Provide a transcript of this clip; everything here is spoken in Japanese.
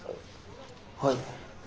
はい。